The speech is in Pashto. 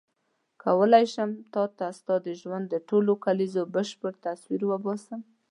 کولای شم تا ته ستا د ژوند د ټولو کلیزو بشپړ تصویر وباسم.